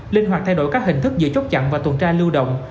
linh hoạt thay đổi các hình thức giữ chốt chặn và tuần tra lưu động